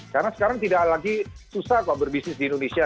karena sekarang tidak lagi susah kok berbisnis di indonesia